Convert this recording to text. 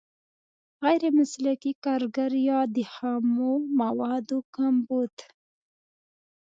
غیر مسلکي کارګر یا د خامو موادو کمبود.